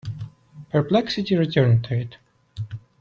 Perplexity returned to it.